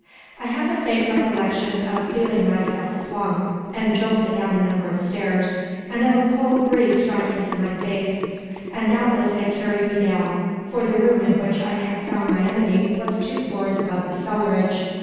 I have a faint recollection of feeling myself swung, and jolted down a number of stairs, and of a cold breeze striking on my face. And doubtless they carried me down; for the room in which I had found my enemy was two floors above the cellarage.